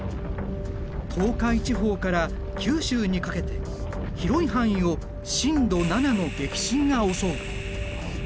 東海地方から九州にかけて広い範囲を震度７の激震が襲う。